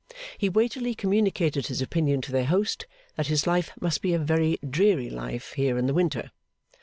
He weightily communicated his opinion to their host, that his life must be a very dreary life here in the winter.